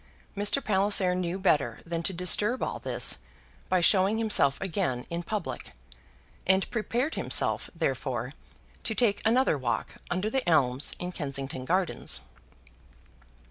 Mr. Palliser knew better than to disturb all this by showing himself again in public; and prepared himself, therefore, to take another walk under the elms in Kensington Gardens.